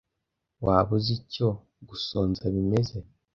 Waba uzi icyo gusonza bimeze?